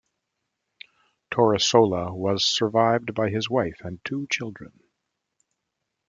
Torresola was survived by his wife and two children.